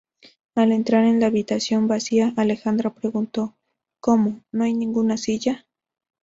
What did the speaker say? Al entrar en la habitación vacía, Alejandra preguntó: "Cómo, ¿no hay ninguna silla?